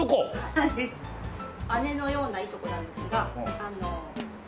姉のようないとこなんですがあの。